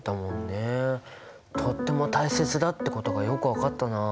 とっても大切だってことがよく分かったな。